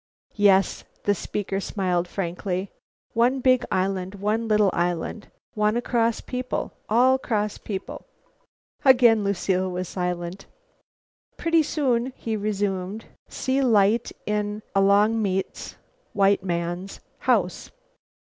"Yes," the speaker smiled frankly, "one big island, one little island. Wanna cross people. All cross people." Again Lucile was silent. "Pretty soon," he resumed, "see light in Alongmeet's (white man's) house.